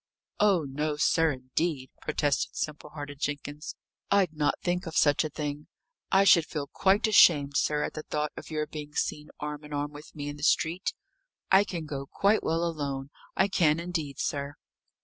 "Oh no, sir, indeed," protested simple hearted Jenkins; "I'd not think of such a thing. I should feel quite ashamed, sir, at the thought of your being seen arm in arm with me in the street. I can go quite well alone; I can, indeed, sir."